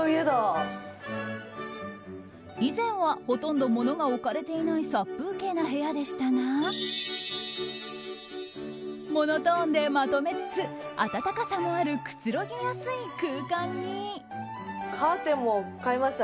以前はほとんど物が置かれていない殺風景な部屋でしたがモノトーンでまとめつつ温かさもあるくつろぎやすい空間に。